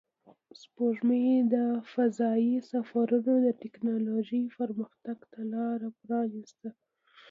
سپوږمۍ د فضایي سفرونو د تکنالوژۍ پرمختګ ته لار پرانیسته